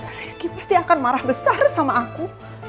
rizky pasti akan marah besar sama aku